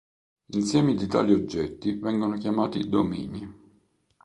Insiemi di tali oggetti vengono chiamati domini.